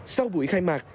sau buổi khai mạc